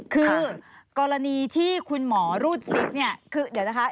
คือกรณีที่คุณหมอรูดซิปเนี่ยคือเดี๋ยวนะคะ